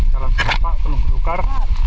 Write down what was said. jalan sempak penuh belukar